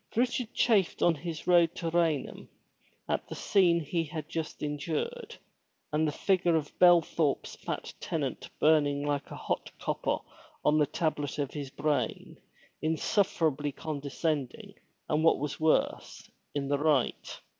Richard chafed on his road to Raynham at the scene he had just endured, and the figure of Belthorpe's fat tenant burnt like hot copper on the tablet of his brain, insufferably condescending and what was worse, in the right.